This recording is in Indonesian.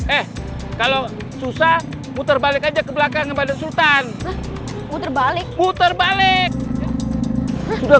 eh kalau susah muter balik aja ke belakang badan sultan muter balik muter balik sudah